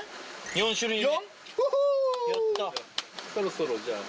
４種類目。